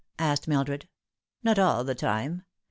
asked Mildred. " Not all the time.